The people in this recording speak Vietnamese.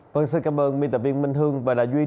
vâng xin cảm ơn biên tập viên minh hương